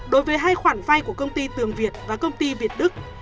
đối với hai khoản vay của công ty tường việt và công ty việt đức